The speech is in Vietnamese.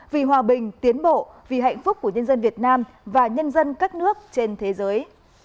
vì hòa bình tiến bộ vì hạnh phúc của nhân dân việt nam và nhân dân các nước trên thế giới